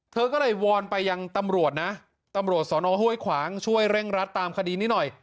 เธอก็เลยวอนไปยังตำรวจนะตำรวจสอนอห้วยขวางช่วยเร่งรัดตามคดีนี้หน่อย